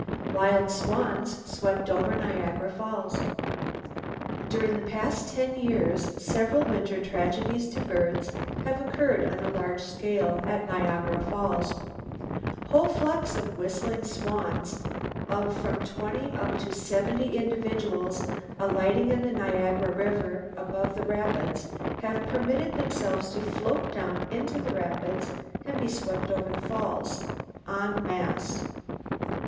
Wild Swans Swept Over Niagara Falls. —During the past ten years, several winter tragedies to birds have occurred on a large scale at Niagara Falls. Whole flocks of whistling swans of from 20 up to 70 individuals alighting in the Niagara River above the rapids have permitted themselves to float down into the rapids, and be swept over the Falls, en masse.